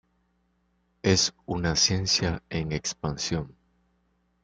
Es una ciencia en expansión.